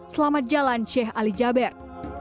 selamat jalan sheikh ali jaber